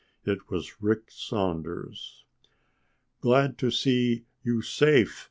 It was Rick Saunders. "Glad to see you safe!"